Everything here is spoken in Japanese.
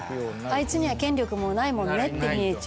あいつには権力もうないもんねって見えちゃう。